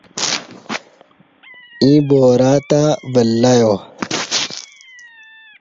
ییں بارہ تہ ولہیا